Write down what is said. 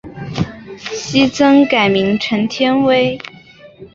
昔曾改名陈天崴。